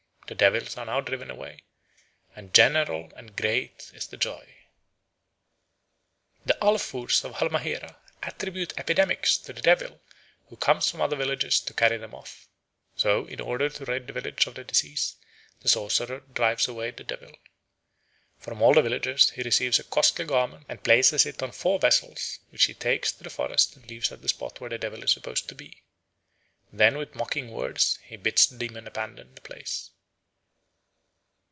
The devils are now driven away, and great and general is the joy. The Alfoors of Halmahera attribute epidemics to the devil who comes from other villages to carry them off. So, in order to rid the village of the disease, the sorcerer drives away the devil. From all the villagers he receives a costly garment and places it on four vessels, which he takes to the forest and leaves at the spot where the devil is supposed to be. Then with mocking words he bids the demon abandon the place.